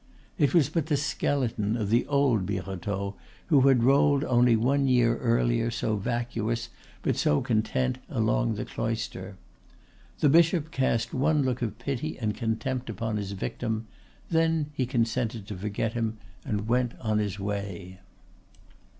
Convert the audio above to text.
It was but the skeleton of the old Birotteau who had rolled only one year earlier so vacuous but so content along the Cloister. The bishop cast one look of pity and contempt upon his victim; then he consented to forget him, and went his way.